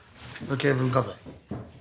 無形文化財。